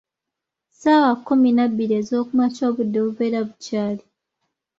Ssaawa kkumi na bbiri ezookumakya obudde bubeera bukyali.